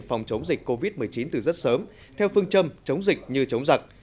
phòng chống dịch covid một mươi chín từ rất sớm theo phương châm chống dịch như chống giặc